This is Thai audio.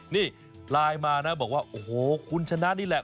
นี่ไลน์มานะบอกว่าโอ้โหคุณชนะนี่แหละ